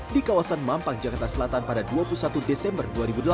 di kawasan mampang jakarta selatan pada dua puluh satu desember dua ribu delapan belas